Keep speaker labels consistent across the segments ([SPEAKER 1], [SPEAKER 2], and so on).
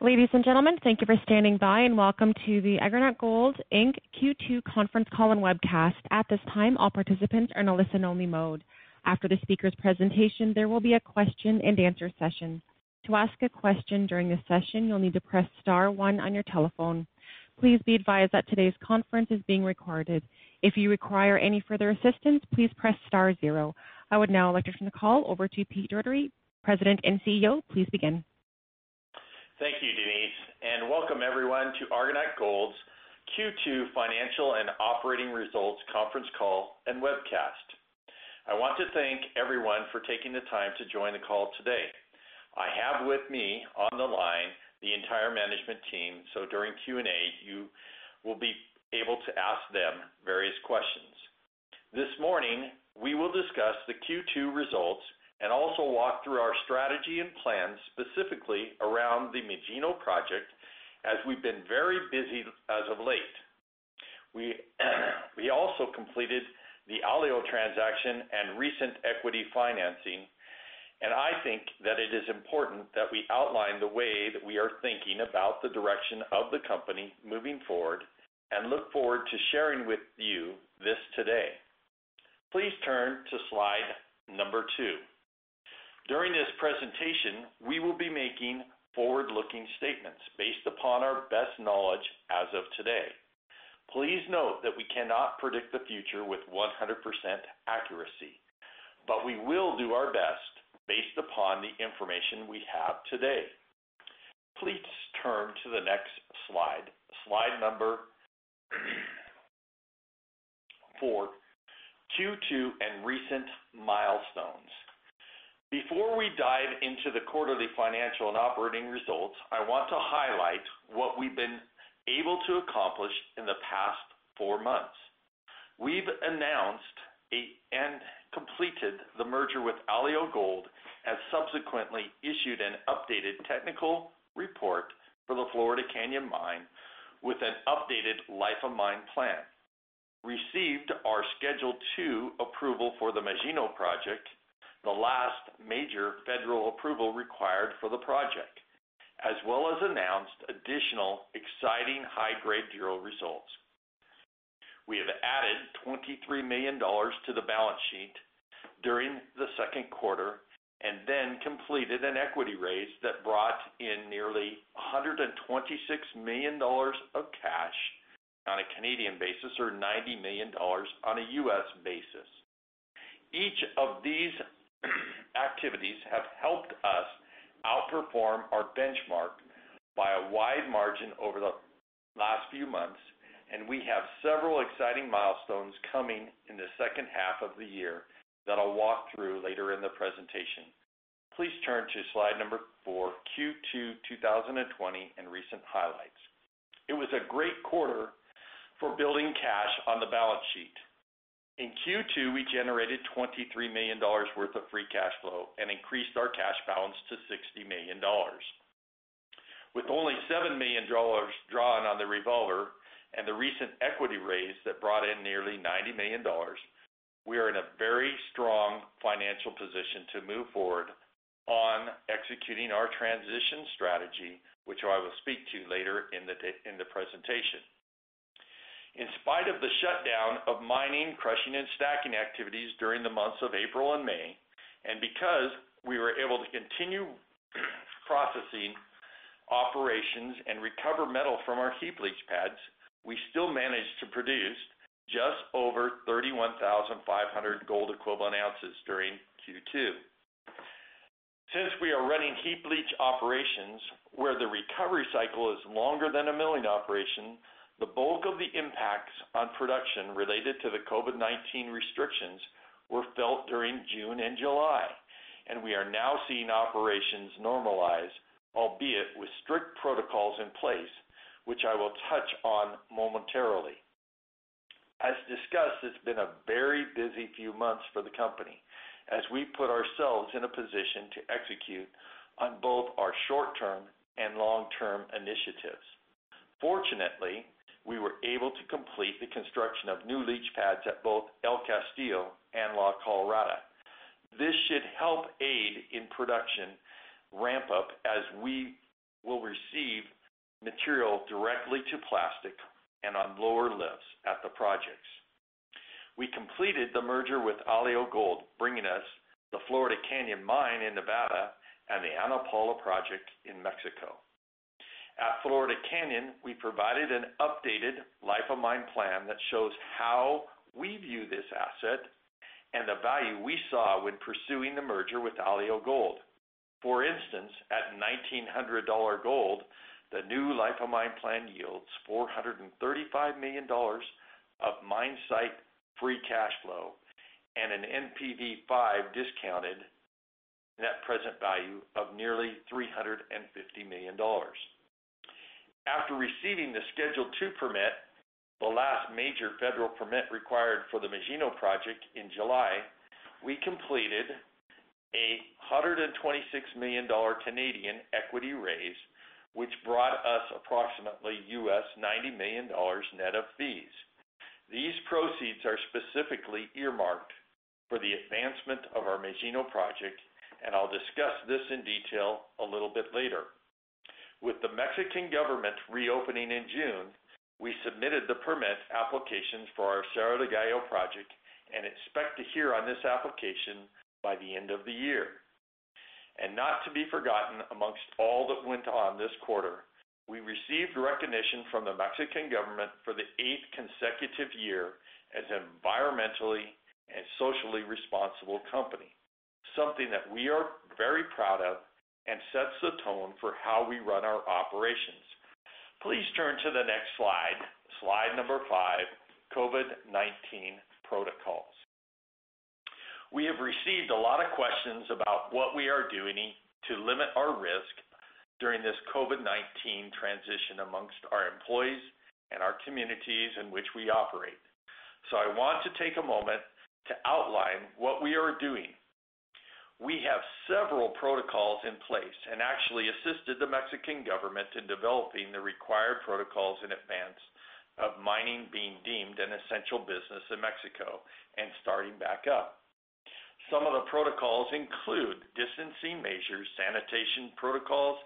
[SPEAKER 1] Ladies and gentlemen, thank you for standing by, and welcome to the Argonaut Gold Inc. Q2 conference call and webcast. At this time, all participants are in a listen-only mode. After the speakers' presentation, there will be a question and answer session. To ask a question during this session, you'll need to press star-one on your telephone. Please be advised that today's conference is being recorded. If you require any further assistance, please press star-zero. I would now like to turn the call over to Peter Dougherty, President and CEO. Please begin.
[SPEAKER 2] Thank you, Denise, and welcome everyone to Argonaut Gold's Q2 Financial and Operating Results Conference Call and Webcast. I want to thank everyone for taking the time to join the call today. I have with me on the line the entire management team, so during Q&A, you will be able to ask them various questions. This morning, we will discuss the Q2 results and also walk through our strategy and plans specifically around the Magino Project as we've been very busy as of late. We also completed the Alio transaction and recent equity financing. I think that it is important that we outline the way that we are thinking about the direction of the company moving forward and look forward to sharing with you this today. Please turn to slide number two. During this presentation, we will be making forward-looking statements based upon our best knowledge as of today. Please note that we cannot predict the future with 100% accuracy, but we will do our best based upon the information we have today. Please turn to the next slide, slide number four, Q2 and recent milestones. Before we dive into the quarterly financial and operating results, I want to highlight what we've been able to accomplish in the past four months. We've announced and completed the merger with Alio Gold, have subsequently issued an updated technical report for the Florida Canyon Mine with an updated life of mine plan, received our Schedule 2 approval for the Magino project, the last major federal approval required for the project, as well as announced additional exciting high-grade drill results. We have added 23 million dollars to the balance sheet during the second quarter and then completed an equity raise that brought in nearly 126 million dollars of cash on a Canadian basis or $90 million on a U.S. basis. Each of these activities have helped us outperform our benchmark by a wide margin over the last few months, and we have several exciting milestones coming in the second half of the year that I'll walk through later in the presentation. Please turn to slide number four, Q2 2020 and recent highlights. It was a great quarter for building cash on the balance sheet. In Q2, we generated $23 million worth of free cash flow and increased our cash balance to $60 million. With only $7 million drawn on the revolver and the recent equity raise that brought in nearly $90 million, we are in a very strong financial position to move forward on executing our transition strategy, which I will speak to later in the presentation. In spite of the shutdown of mining, crushing, and stacking activities during the months of April and May, and because we were able to continue processing operations and recover metal from our heap leach pads, we still managed to produce just over 31,500 gold equivalent ounces during Q2. Since we are running heap leach operations, where the recovery cycle is longer than a milling operation, the bulk of the impacts on production related to the COVID-19 restrictions were felt during June and July, and we are now seeing operations normalize, albeit with strict protocols in place, which I will touch on momentarily. As discussed, it's been a very busy few months for the company as we put ourselves in a position to execute on both our short-term and long-term initiatives. Fortunately, we were able to complete the construction of new leach pads at both El Castillo and La Colorada. This should help aid in production ramp up as we will receive material directly to plastic and on lower lifts at the projects. We completed the merger with Alio Gold, bringing us the Florida Canyon Mine in Nevada and the Ana Paula project in Mexico. At Florida Canyon Mine, we provided an updated life of mine plan that shows how we view this asset and the value we saw when pursuing the merger with Alio Gold. For instance, at $1,900 gold, the new life of mine plan yields $435 million of mine site free cash flow and an NPV5 discounted net present value of nearly $350 million. After receiving the Schedule 2 permit, the last major federal permit required for the Magino project in July, we completed a 126 million Canadian dollars equity raise, which brought approximately $90 million net of fees. These proceeds are specifically earmarked for the advancement of our Magino project, and I'll discuss this in detail a little bit later. With the Mexican government reopening in June, we submitted the permit applications for our Cerro del Gallo project and expect to hear on this application by the end of the year. Not to be forgotten amongst all that went on this quarter, we received recognition from the Mexican government for the eighth consecutive year as an environmentally and socially responsible company, something that we are very proud of and sets the tone for how we run our operations. Please turn to the next slide number five, COVID-19 protocols. We have received a lot of questions about what we are doing to limit our risk during this COVID-19 transition amongst our employees and our communities in which we operate. I want to take a moment to outline what we are doing. We have several protocols in place and actually assisted the Mexican government in developing the required protocols in advance of mining being deemed an essential business in Mexico and starting back up. Some of the protocols include distancing measures, sanitation protocols,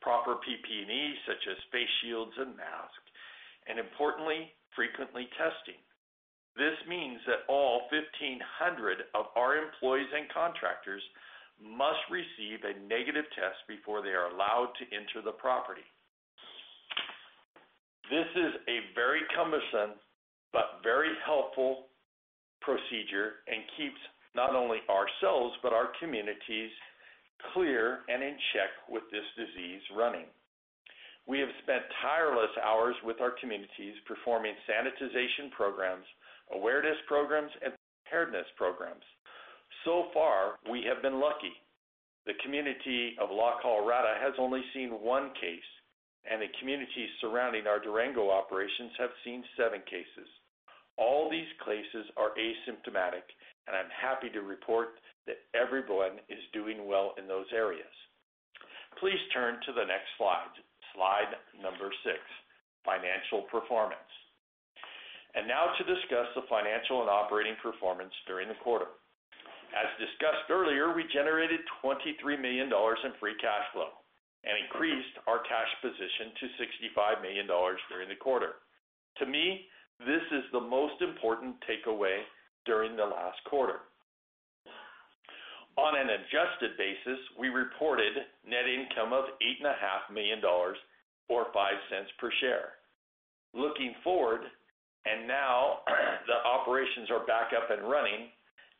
[SPEAKER 2] proper PPE, such as face shields and masks, and importantly, frequently testing. This means that all 1,500 of our employees and contractors must receive a negative test before they are allowed to enter the property. This is a very cumbersome but very helpful procedure and keeps not only ourselves, but our communities clear and in check with this disease running. We have spent tireless hours with our communities performing sanitization programs, awareness programs, and preparedness programs. So far, we have been lucky. The community of La Colorada has only seen one case, and the communities surrounding our Durango operations have seen seven cases. All these cases are asymptomatic, and I'm happy to report that everyone is doing well in those areas. Please turn to the next slide number six, financial performance. Now to discuss the financial and operating performance during the quarter. As discussed earlier, we generated $23 million in free cash flow and increased our cash position to $65 million during the quarter. To me, this is the most important takeaway during the last quarter. On an adjusted basis, we reported net income of $8.5 million or $0.05 per share. Looking forward, and now the operations are back up and running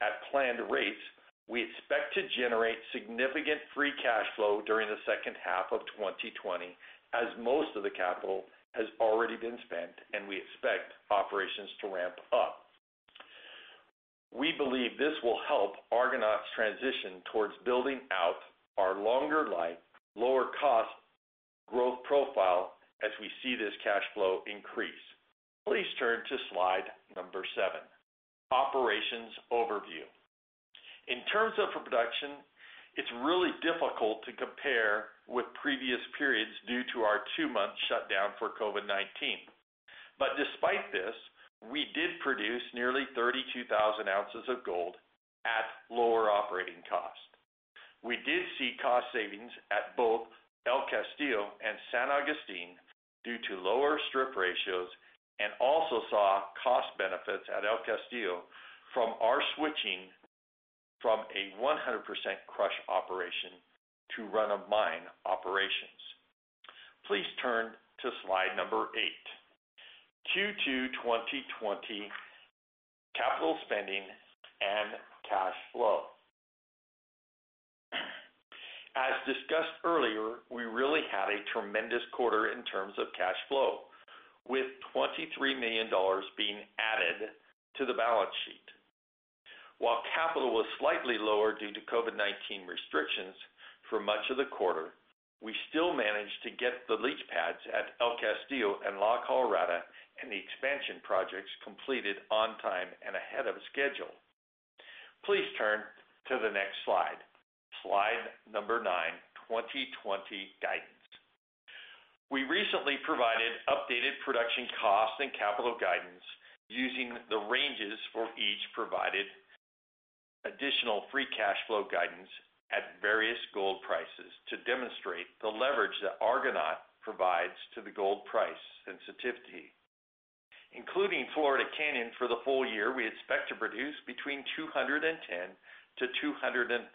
[SPEAKER 2] at planned rates, we expect to generate significant free cash flow during the second half of 2020 as most of the capital has already been spent and we expect operations to ramp up. We believe this will help Argonaut's transition towards building out our longer life, lower cost growth profile as we see this cash flow increase. Please turn to slide number seven, operations overview. In terms of production, it's really difficult to compare with previous periods due to our two-month shutdown for COVID-19. Despite this, we did produce nearly 32,000 ounces of gold at lower operating cost. We did see cost savings at both El Castillo and San Agustin due to lower strip ratios and also saw cost benefits at El Castillo from our switching from a 100% crush operation to run-of-mine operations. Please turn to slide number eight, Q2 2020 capital spending and cash flow. As discussed earlier, we really had a tremendous quarter in terms of cash flow with $23 million being added to the balance sheet. While capital was slightly lower due to COVID-19 restrictions for much of the quarter, we still managed to get the leach pads at El Castillo and La Colorada and the expansion projects completed on time and ahead of schedule. Please turn to the next slide number nine, 2020 guidance. We recently provided updated production costs and capital guidance using the ranges for each provided additional free cash flow guidance at various gold prices to demonstrate the leverage that Argonaut provides to the gold price sensitivity. Including Florida Canyon for the full year, we expect to produce between 210,000-230,000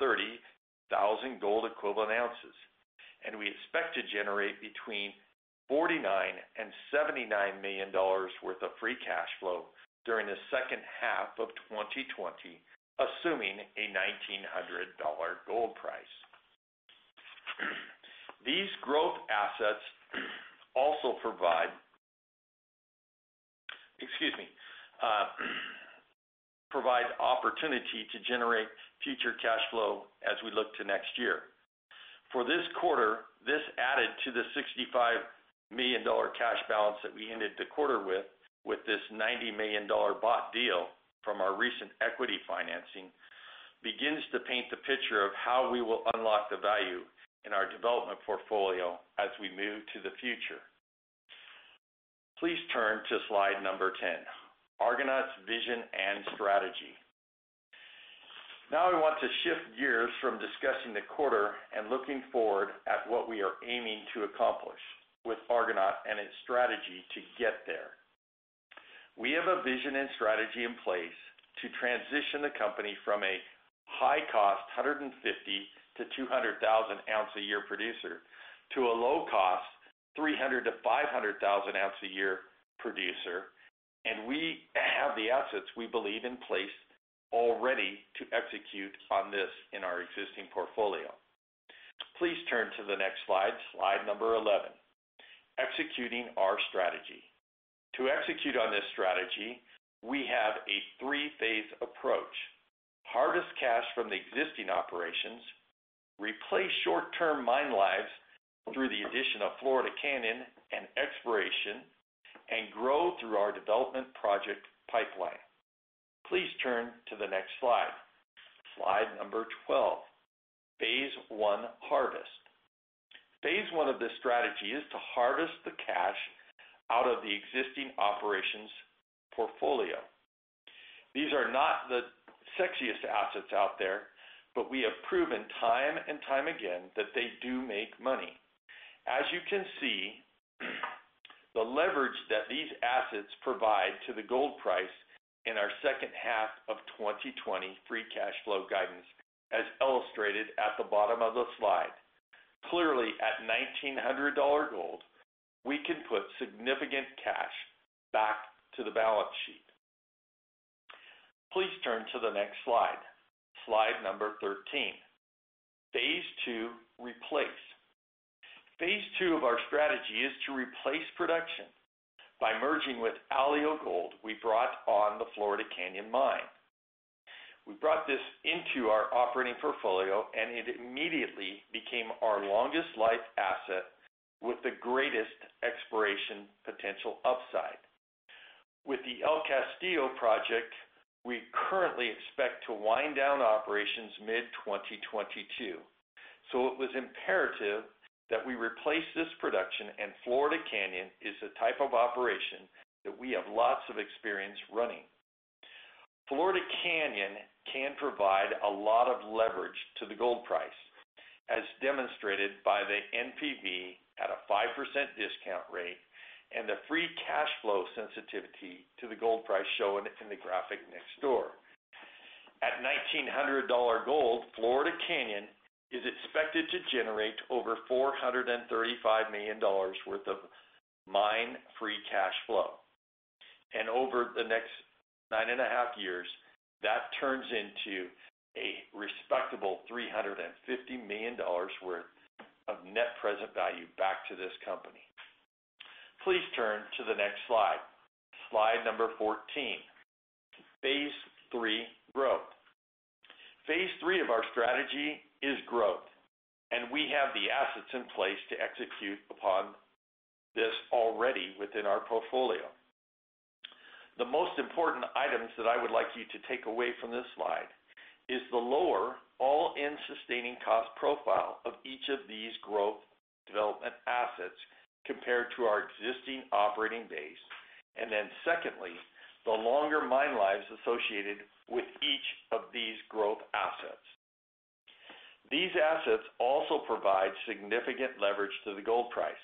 [SPEAKER 2] gold equivalent ounces, and we expect to generate between $49 million and $79 million worth of free cash flow during the second half of 2020, assuming a $1,900 gold price. These growth assets also provide opportunity to generate future cash flow as we look to next year. For this quarter, this added to the $65 million cash balance that we ended the quarter with this $90 million bought deal from our recent equity financing. Begins to paint the picture of how we will unlock the value in our development portfolio as we move to the future. Please turn to slide number 10, Argonaut's vision and strategy. Now we want to shift gears from discussing the quarter and looking forward at what we are aiming to accomplish with Argonaut and its strategy to get there. We have a vision and strategy in place to transition the company from a high-cost 150,000-200,000 ounce a year producer to a low-cost 300,000-500,000 ounce a year producer. We have the assets, we believe, in place already to execute on this in our existing portfolio. Please turn to the next slide. Slide number 11, executing our strategy. To execute on this strategy, we have a three-phase approach. Harvest cash from the existing operations, replace short-term mine lives through the addition of Florida Canyon and exploration, and grow through our development project pipeline. Please turn to the next slide. Slide number 12, Phase 1, harvest. Phase 1 of this strategy is to harvest the cash out of the existing operations portfolio. These are not the sexiest assets out there, but we have proven time and time again that they do make money. As you can see, the leverage that these assets provide to the gold price in our second half of 2020 free cash flow guidance, as illustrated at the bottom of the slide. Clearly, at $1,900 gold, we can put significant cash back to the balance sheet. Please turn to the next slide. Slide number 13, Phase 2, replace. Phase 2 of our strategy is to replace production. By merging with Alio Gold, we brought on the Florida Canyon Mine. We brought this into our operating portfolio, and it immediately became our longest life asset with the greatest exploration potential upside. With the El Castillo project, we currently expect to wind down operations mid-2022, so it was imperative that we replace this production, and Florida Canyon is the type of operation that we have lots of experience running. Florida Canyon can provide a lot of leverage to the gold price, as demonstrated by the NPV at a 5% discount rate and the free cash flow sensitivity to the gold price shown in the graphic next door. At $1,900 gold, Florida Canyon is expected to generate over $435 million worth of mine free cash flow. Over the next nine and a half years, that turns into a respectable $350 million worth of net present value back to this company. Please turn to the next slide. Slide number 14, Phase 3, growth. Phase 3 of our strategy is growth. We have the assets in place to execute upon this already within our portfolio. The most important items that I would like you to take away from this slide is the lower all-in sustaining cost profile of each of these growth development assets compared to our existing operating base. Then secondly, the longer mine lives associated with each of these growth assets. These assets also provide significant leverage to the gold price.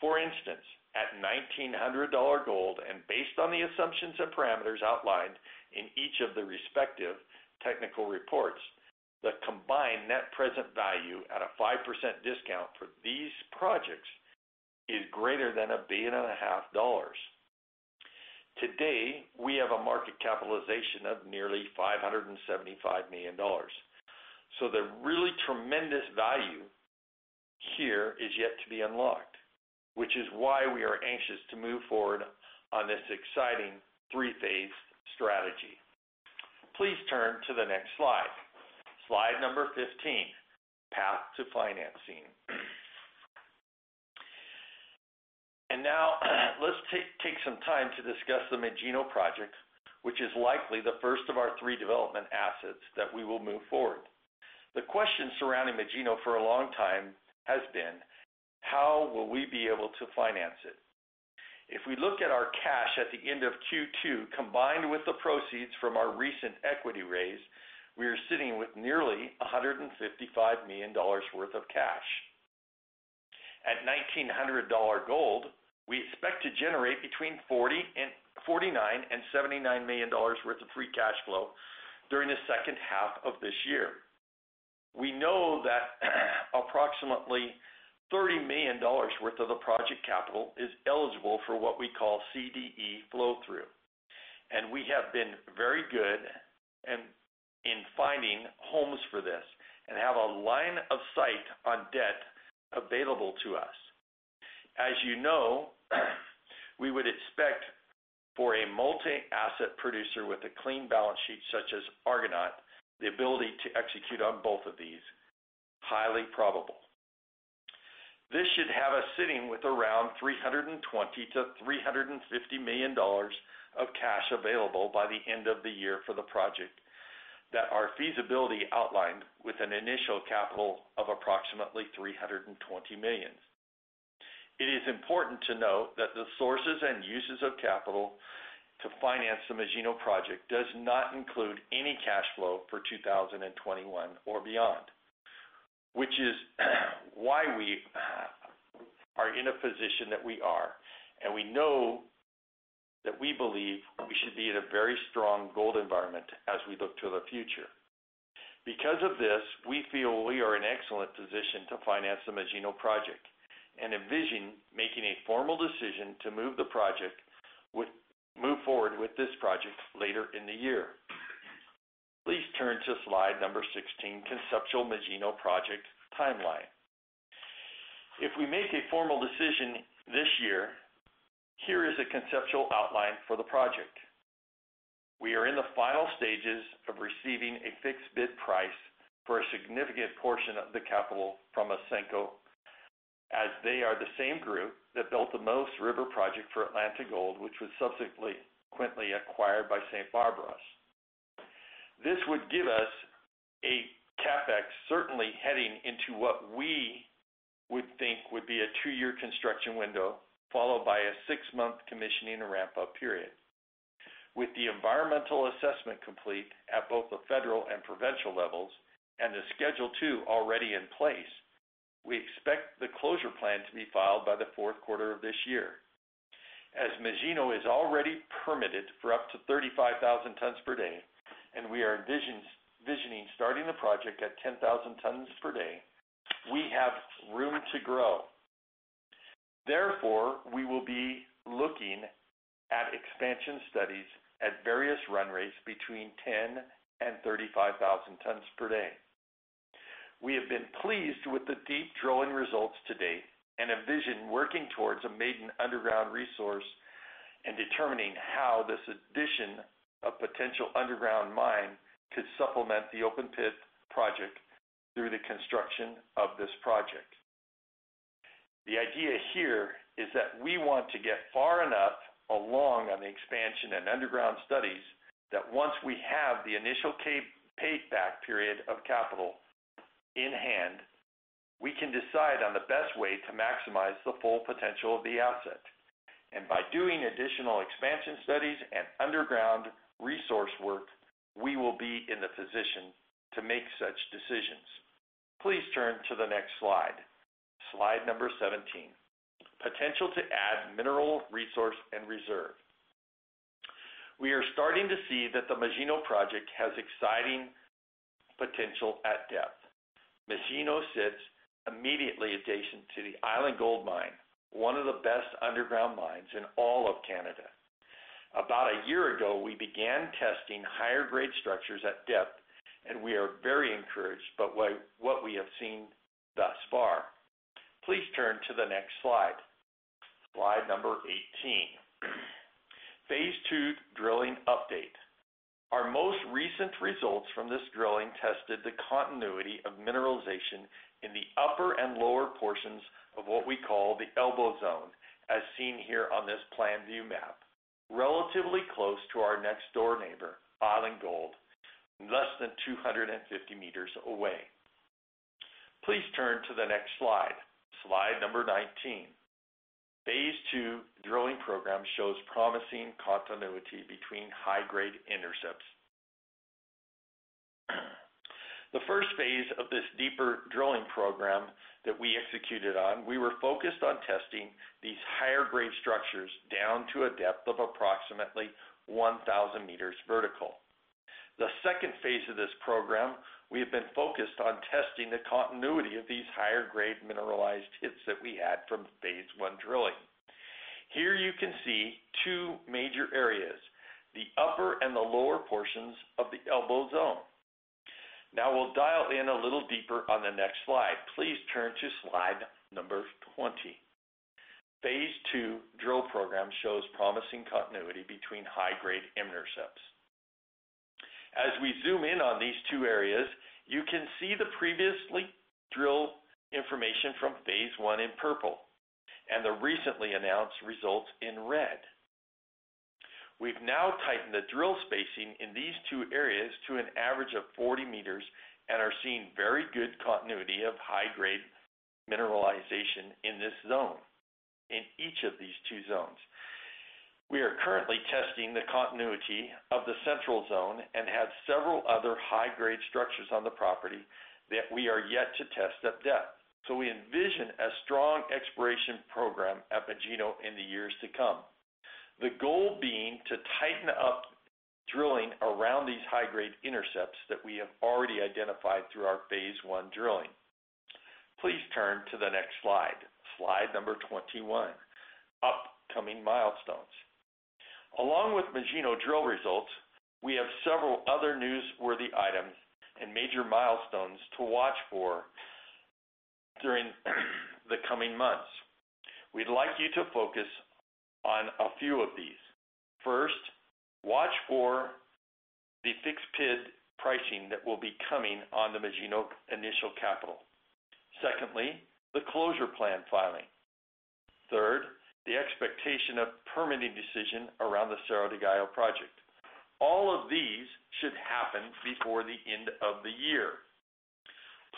[SPEAKER 2] For instance, at $1,900 gold, and based on the assumptions and parameters outlined in each of the respective technical reports, the combined net present value at a 5% discount for these projects is greater than a billion and a half dollars. Today, we have a market capitalization of nearly $575 million. The really tremendous value here is yet to be unlocked, which is why we are anxious to move forward on this exciting three-phase strategy. Please turn to the next slide. Slide number 15, path to financing. Now let's take some time to discuss the Magino project, which is likely the first of our three development assets that we will move forward. The question surrounding Magino project for a long time has been, "How will we be able to finance it?" If we look at our cash at the end of Q2, combined with the proceeds from our recent equity raise, we are sitting with nearly $155 million worth of cash. At $1,900 gold, we expect to generate between $49 million and $79 million worth of free cash flow during the second half of this year. We know that approximately $30 million worth of the project capital is eligible for what we call CDE flow-through. We have been very good in finding homes for this and have a line of sight on debt available to us. As you know, we would expect for a multi-asset producer with a clean balance sheet such as Argonaut, the ability to execute on both of these, highly probable. This should have us sitting with around $320 million-$350 million of cash available by the end of the year for the project that our feasibility outlined with an initial capital of approximately $320 million. It is important to note that the sources and uses of capital to finance the Magino project does not include any cash flow for 2021 or beyond. Which is why we are in a position that we are, and we know that we believe we should be in a very strong gold environment as we look to the future. Because of this, we feel we are in excellent position to finance the Magino project and envision making a formal decision to move forward with this project later in the year. Please turn to slide number 16, Conceptual Magino Project Timeline. If we make a formal decision this year, here is a conceptual outline for the project. We are in the final stages of receiving a fixed bid price for a significant portion of the capital from Ausenco, as they are the same group that built the Moose River project for Atlantic Gold, which was subsequently acquired by St. Barbara. This would give us a CapEx certainly heading into what we would think would be a two-year construction window, followed by a six-month commissioning and ramp-up period. With the environmental assessment complete at both the federal and provincial levels, and the Schedule 2 already in place, we expect the closure plan to be filed by the fourth quarter of this year. As Magino is already permitted for up to 35,000 tons per day, and we are envisioning starting the project at 10,000 tons per day, we have room to grow. Therefore, we will be looking at expansion studies at various run rates between 10,000 tons per day and 35,000 tons per day. We have been pleased with the deep drilling results to date, and envision working towards a maiden underground resource and determining how this addition of potential underground mine could supplement the open pit project through the construction of this project. The idea here is that we want to get far enough along on the expansion and underground studies, that once we have the initial payback period of capital in hand, we can decide on the best way to maximize the full potential of the asset. By doing additional expansion studies and underground resource work, we will be in the position to make such decisions. Please turn to the next slide. Slide number 17, Potential to Add Mineral Resource and Reserve. We are starting to see that the Magino project has exciting potential at depth. Magino sits immediately adjacent to the Island Gold Mine, one of the best underground mines in all of Canada. About a year ago, we began testing higher grade structures at depth, and we are very encouraged by what we have seen thus far. Please turn to the next slide. Slide number 18, Phase 2 Drilling Update. Our most recent results from this drilling tested the continuity of mineralization in the upper and lower portions of what we call the elbow zone, as seen here on this plan view map, relatively close to our next door neighbor, Island Gold, less than 250 meters away. Please turn to the next slide. Slide number 19. Phase Two Drilling Program shows promising continuity between high-grade intercepts. The first phase of this deeper drilling program that we executed on, we were focused on testing these higher grade structures down to a depth of approximately 1,000 meters vertical. The second phase of this program, we have been focused on testing the continuity of these higher grade mineralized hits that we had from Phase 1 drilling. Here you can see two major areas, the upper and the lower portions of the elbow zone. We'll dial in a little deeper on the next slide. Please turn to slide number 20. Phase 2 Drill Program shows promising continuity between high-grade intercepts. We zoom in on these two areas, you can see the previously drilled information from Phase 1 in purple, and the recently announced results in red. We've now tightened the drill spacing in these two areas to an average of 40 meters and are seeing very good continuity of high-grade mineralization in each of these two zones. We are currently testing the continuity of the central zone and have several other high-grade structures on the property that we are yet to test at depth. We envision a strong exploration program at Magino in the years to come. The goal being to tighten up drilling around these high-grade intercepts that we have already identified through our Phase 1 drilling. Please turn to the next slide. Slide number 21, upcoming milestones. Along with Magino drill results, we have several other newsworthy items and major milestones to watch for during the coming months. We'd like you to focus on a few of these. First, watch for the fixed bid pricing that will be coming on the Magino initial capital. Secondly, the closure plan filing. Third, the expectation of permitting decision around the Cerro del Gallo project. All of these should happen before the end of the year.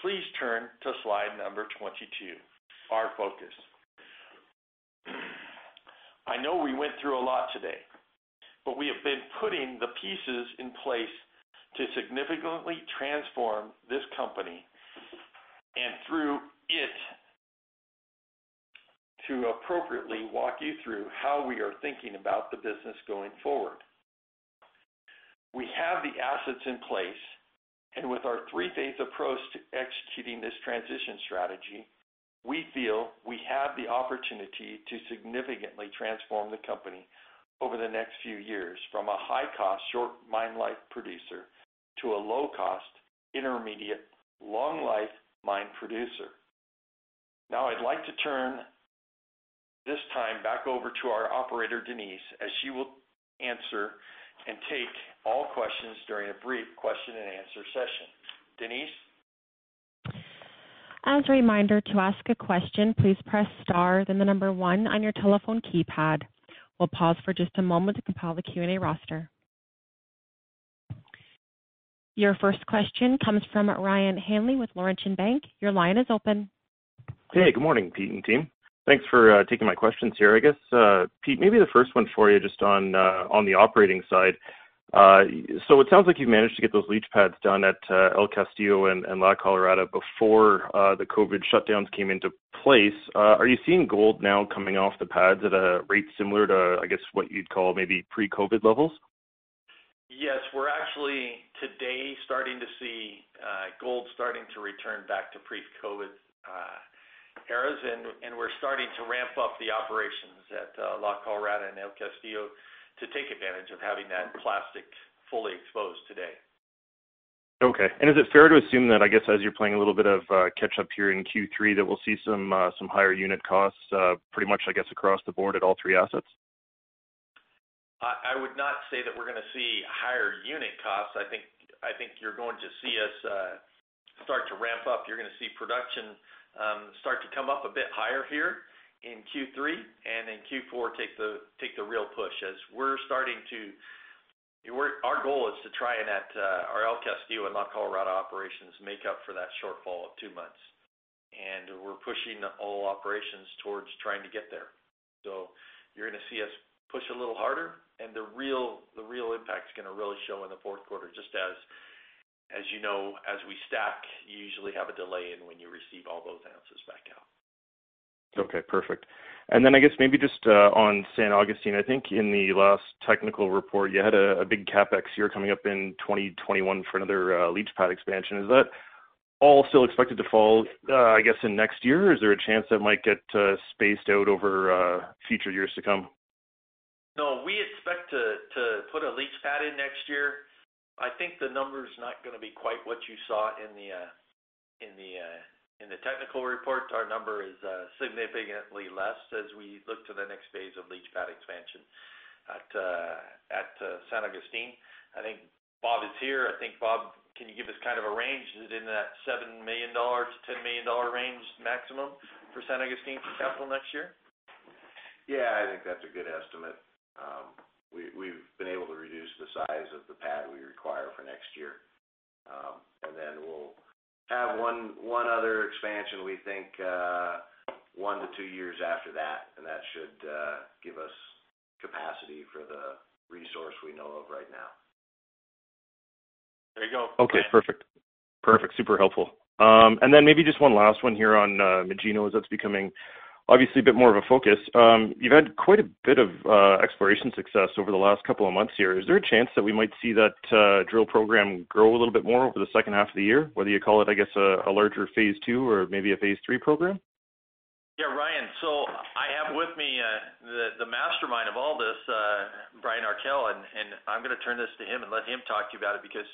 [SPEAKER 2] Please turn to slide number 22, Our Focus. I know we went through a lot today, but we have been putting the pieces in place to significantly transform this company and through it, to appropriately walk you through how we are thinking about the business going forward. We have the assets in place, and with our three-phase approach to executing this transition strategy, we feel we have the opportunity to significantly transform the company over the next few years from a high-cost, short mine life producer to a low-cost, intermediate, long life mine producer. Now I'd like to turn this time back over to our operator, Denise, as she will answer and take all questions during a brief question and answer session. Denise?
[SPEAKER 1] As a reminder, to ask a question, please press star then the number one on your telephone keypad. We'll pause for just a moment to compile the Q&A roster. Your first question comes from Ryan Hanley with Laurentian Bank. Your line is open.
[SPEAKER 3] Hey, good morning, Peter and team. Thanks for taking my questions here. I guess, Peter, maybe the first one for you just on the operating side. It sounds like you've managed to get those leach pads done at El Castillo and La Colorada before the COVID shutdowns came into place. Are you seeing gold now coming off the pads at a rate similar to, I guess, what you'd call maybe pre-COVID levels?
[SPEAKER 2] Yes. We're actually today starting to see gold starting to return back to pre-COVID eras, and we're starting to ramp up the operations at La Colorada and El Castillo to take advantage of having that pad fully exposed today.
[SPEAKER 3] Okay. Then, is it fair to assume that, I guess, as you're playing a little bit of catch up here in Q3, that we'll see some higher unit costs, pretty much, I guess, across the board at all three assets?
[SPEAKER 2] I would not say that we're going to see higher unit costs. I think you're going to see us start to ramp up. You're going to see production start to come up a bit higher here in Q3, and then Q4 take the real push. Our goal is to try and at our El Castillo and La Colorada operations make up for that shortfall of two months, and we're pushing all operations towards trying to get there. You're going to see us push a little harder and the real impact's going to really show in the fourth quarter, just as you know, as we stack, you usually have a delay in when you receive all those answers back out.
[SPEAKER 3] Okay, perfect. I guess maybe just on San Agustin, I think in the last technical report, you had a big CapEx here coming up in 2021 for another leach pad expansion. Is that all still expected to fall, I guess, in next year? Is there a chance that might get spaced out over future years to come?
[SPEAKER 2] No, we expect to put a leach pad in next year. I think the number's not going to be quite what you saw in the technical report. Our number is significantly less as we look to the next phase of leach pad expansion at San Agustin. I think Bob is here. I think Bob, can you give us kind of a range? Is it in that $7 million-$10 million range maximum for San Agustin for capital next year?
[SPEAKER 4] Yeah, I think that's a good estimate. We've been able to reduce the size of the pad we require for next year. We'll have one other expansion, we think, one to two years after that, and that should give us capacity for the resource we know of right now.
[SPEAKER 2] There you go.
[SPEAKER 3] Okay. Perfect. Super helpful. Then maybe just one last one here on Magino as that's becoming obviously a bit more of a focus. You've had quite a bit of exploration success over the last couple of months here. Is there a chance that we might see that drill program grow a little bit more over the second half of the year, whether you call it, I guess, a larger Phase 2 or maybe a Phase 3 program?
[SPEAKER 2] Yeah, Ryan. I have with me, the mastermind of all this, Brian Arkell, and I'm going to turn this to him and let him talk to you about it because,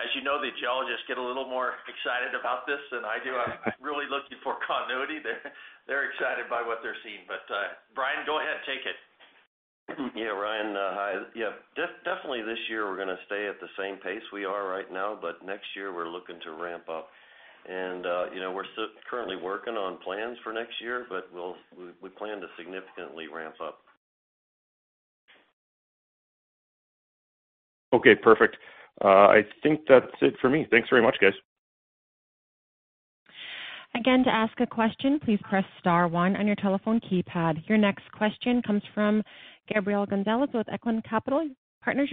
[SPEAKER 2] as you know, the geologists get a little more excited about this than I do. I'm really looking for continuity. They're excited by what they're seeing. Brian, go ahead, take it.
[SPEAKER 5] Hey, Ryan. Hi. Definitely this year we're going to stay at the same pace we are right now. Next year, we're looking to ramp up. We're still currently working on plans for next year, but we plan to significantly ramp up.
[SPEAKER 3] Okay, perfect. I think that's it for me. Thanks very much, guys.
[SPEAKER 1] Again, to ask a question please press star-one on your telephone keypad. Your next question comes from Gabriel Gonzalez with Echelon Wealth Partners.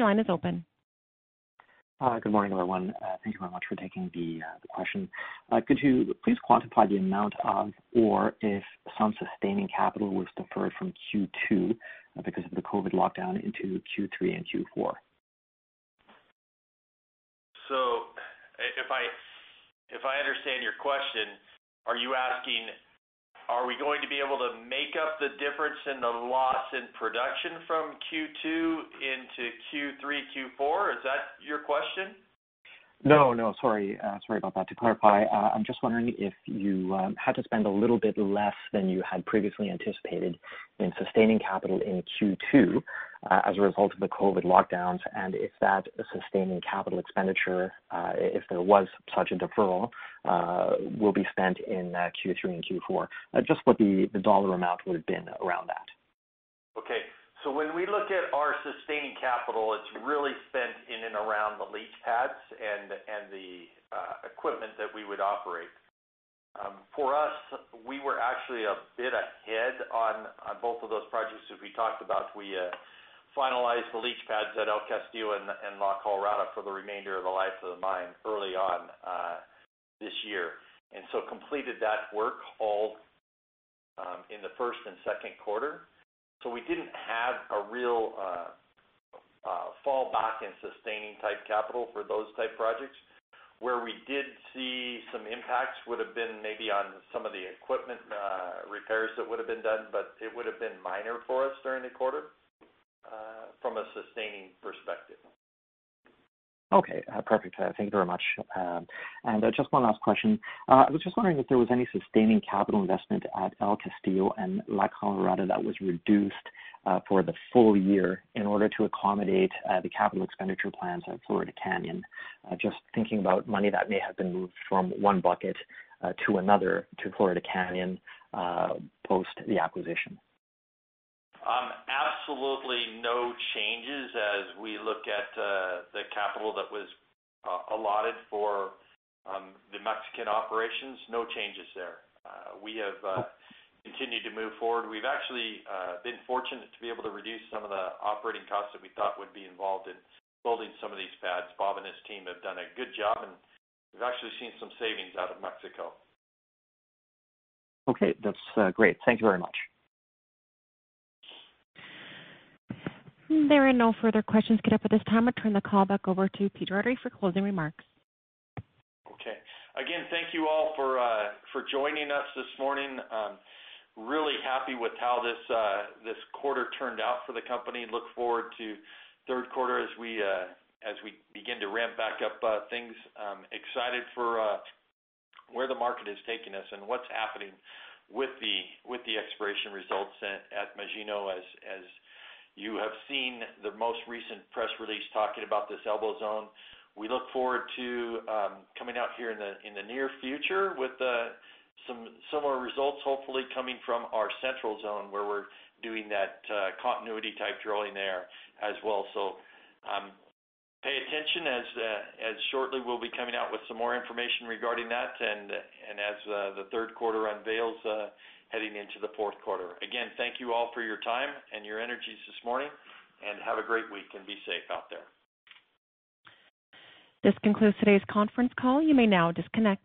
[SPEAKER 6] Good morning, everyone. Thank you very much for taking the question. Could you please quantify the amount of ore if some sustaining capital was deferred from Q2 because of the COVID lockdown into Q3 and Q4?
[SPEAKER 2] If I understand your question, are you asking, are we going to be able to make up the difference in the loss in production from Q2 into Q3, Q4? Is that your question?
[SPEAKER 6] No, sorry about that. To clarify, I'm just wondering if you had to spend a little bit less than you had previously anticipated in sustaining capital in Q2 as a result of the COVID lockdowns, and if that sustaining capital expenditure, if there was such a deferral, will be spent in Q3 and Q4. Just what the dollar amount would've been around that?
[SPEAKER 2] Okay. When we look at our sustaining capital, it's really spent in and around the leach pads and the equipment that we would operate. For us, we were actually a bit ahead on both of those projects that we talked about. We finalized the leach pads at El Castillo and La Colorada for the remainder of the life of the mine early on this year. Completed that work all in the first quarter and second quarter. We didn't have a real fallback and sustaining type capital for those type projects. Where we did see some impacts would've been maybe on some of the equipment repairs that would've been done, it would've been minor for us during the quarter from a sustaining perspective.
[SPEAKER 6] Okay, perfect. Thank you very much. Just one last question. I was just wondering if there was any sustaining capital investment at El Castillo and La Colorada that was reduced for the full year in order to accommodate the capital expenditure plans at Florida Canyon. Just thinking about money that may have been moved from one bucket to another to Florida Canyon post the acquisition.
[SPEAKER 2] Absolutely no changes as we look at the capital that was allotted for the Mexican operations. No changes there. We have continued to move forward. We've actually been fortunate to be able to reduce some of the operating costs that we thought would be involved in building some of these pads. Bob and his team have done a good job, and we've actually seen some savings out of Mexico.
[SPEAKER 6] Okay, that's great. Thank you very much.
[SPEAKER 1] There are no further questions queued up at this time. I turn the call back over to Peter Dougherty for closing remarks.
[SPEAKER 2] Okay. Again, thank you all for joining us this morning. Really happy with how this quarter turned out for the company and look forward to third quarter as we begin to ramp back up things. Excited for where the market is taking us and what's happening with the exploration results at Magino, as you have seen the most recent press release talking about this Elbow Zone. We look forward to coming out here in the near future with some similar results, hopefully coming from our Central Zone where we're doing that continuity type drilling there as well. Pay attention as shortly we'll be coming out with some more information regarding that and as the third quarter unveils heading into the fourth quarter. Again, thank you all for your time and your energies this morning, and have a great week and be safe out there.
[SPEAKER 1] This concludes today's conference call. You may now disconnect.